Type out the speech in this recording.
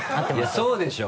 そうでしょ？